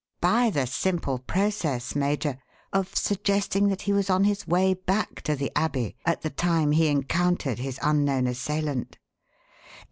"By the simple process, Major, of suggesting that he was on his way back to the Abbey at the time he encountered his unknown assailant.